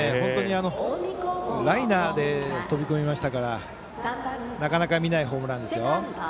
バックスクリーンですし本当にライナーで飛び込みましたからなかなか見ないホームランですよ。